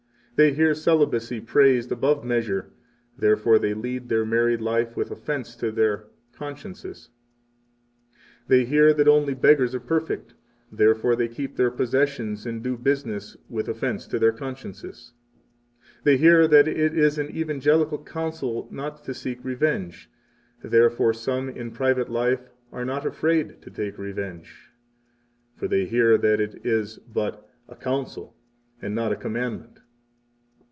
52 They hear celibacy praised above measure; therefore they lead their married life with offense to their consciences. 53 They hear that only beggars are perfect; therefore they keep their possessions and do business with offense to their consciences. 54 They hear that it is an evangelical counsel not to seek revenge; therefore some in private life are not afraid to take revenge, for they hear that it is but a counsel, and 55 not a commandment.